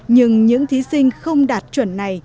nhưng những thí sinh không đạt chuẩn này